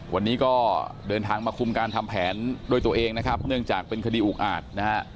วันนี้ก็เดินทางมาคุมการทำแผนด้วยตัวเองนะครับเนื่องจากเป็นคดีอุกอาจนะฮะ